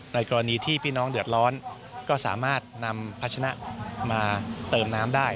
กรณีที่พี่น้องเดือดร้อนก็สามารถนำพัชนะมาเติมน้ำได้